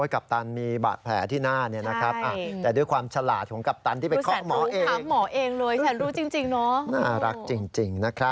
กัปตันมีบาดแผลที่หน้านี่